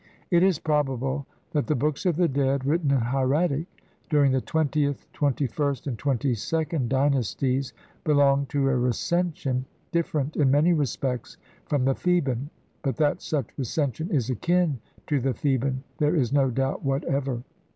It is probable that the Books of the Dead written in hieratic during the twentieth, twenty first, and twenty second dynasties belong to a Recension different in many respects from the Theban, but that such Recension is akin to the Theban there is no doubt whatever.